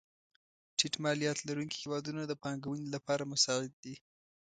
ټیټ مالیات لرونکې هېوادونه د پانګونې لپاره مساعد دي.